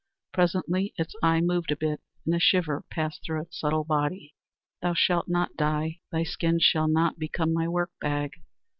Presently its eyes moved a bit, and a shiver passed through its subtle body. "Thou shalt not die; thy skin shall not become my work bag!"